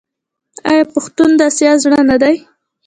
آیا پښتون د اسیا زړه نه دی؟